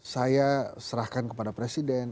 saya serahkan kepada presiden